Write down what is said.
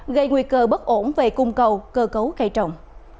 gây nguy cơ bất ổn về cung cầu cơ cấu cây trồng